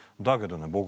だけどね